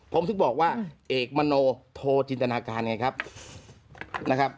ผมถึงบอกว่าเอกมโนโทจินตนาการไงครับนะครับ